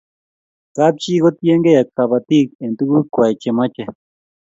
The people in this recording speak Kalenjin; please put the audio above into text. Kapchii kotiegei kabatik eng' tuguk kwai che mache